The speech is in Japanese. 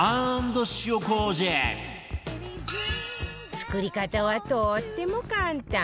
作り方はとっても簡単